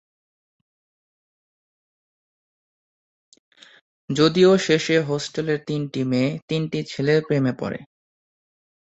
যদিও শেষে হোস্টেলের তিনটি মেয়ে, তিনটি ছেলের প্রেমে পড়ে।